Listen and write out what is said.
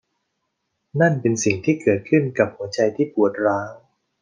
นั่นเป็นสิ่งที่เกิดขึ้นกับหัวใจที่ปวดร้าว